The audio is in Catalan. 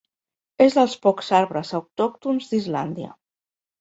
És dels pocs arbres autòctons d'Islàndia.